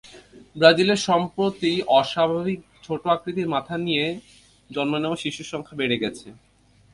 ব্রাজিলে সম্প্রতি অস্বাভাবিক ছোট আকৃতির মাথা নিয়ে জন্ম নেওয়া শিশুর সংখ্যা বেড়ে গেছে।